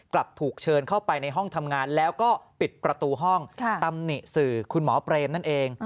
กลับถูกเชิญเข้าไปในห้องทำงานแล้วก็ปิดประตูห้องตำหนิสื่อคุณหมอเปรมนั่นเอง